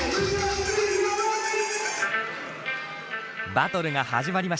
バトルが始まりました。